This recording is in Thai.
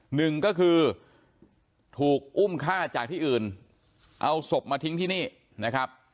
หนึ่งก็คือถูกอุ้มฆ่าจากที่อื่นเอาศพมาทิ้งที่นี่นะครับ